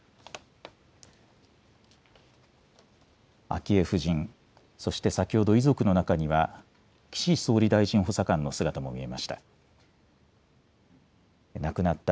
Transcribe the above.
昭恵夫人、そして先ほど遺族の中には、岸総理大臣補佐官の姿も見えました。